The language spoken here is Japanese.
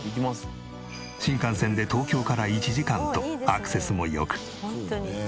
新幹線で東京から１時間とアクセスも良く。